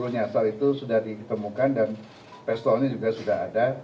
sepuluh nyasol itu sudah ditemukan dan pistolnya juga sudah ada